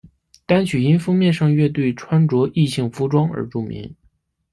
单曲因封面上乐队穿着异性服装而著名。